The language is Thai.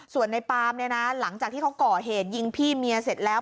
ส่วนในปามเนี่ยนะหลังจากที่เขาก่อเหตุยิงพี่เมียเสร็จแล้ว